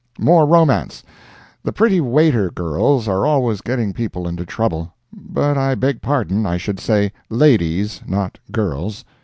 More Romance—The pretty waiter girls are always getting people into trouble. But I beg pardon—I should say "ladies," not "girls."